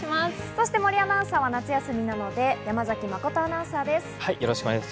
そして、森アナウンサーは今週夏休みなので、山崎誠アナウンサーです。